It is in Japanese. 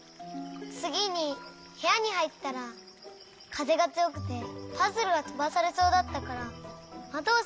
つぎにへやにはいったらかぜがつよくてパズルがとばされそうだったからまどをしめようとしたの。